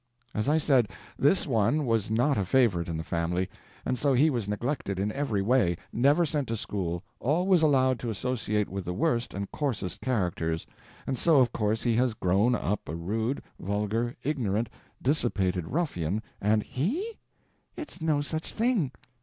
As I said, this one was not a favorite in the family, and so he was neglected in every way, never sent to school, always allowed to associate with the worst and coarsest characters, and so of course he has grown up a rude, vulgar, ignorant, dissipated ruffian, and—" "He? It's no such thing!